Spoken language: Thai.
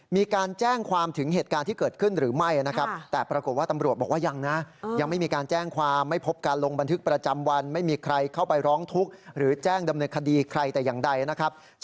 มีการแจ้งความถึงเหตุการณ์ที่เกิดขึ้นหรือไม่นะครับแต่ปรากฏว่าตำรวจบอกว่ายังนะยังไม่มีการแจ้งความไม่พบการลงบันทึกประจำวันไม่มีใครเข้าไปร้องทุกข์หรือแจ้งดำเนินคดีใครแต่อย่างใดนะครับ